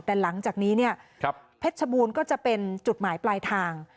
แต่หลังจากนี้เพชรชมูลก็จะเป็นจุดหมายปลายทาง